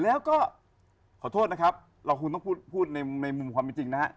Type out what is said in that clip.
แล้วก็ขอโทษนะครับเราคงต้องพูดในมุมความเป็นจริงนะฮะ